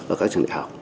ở các trường đại học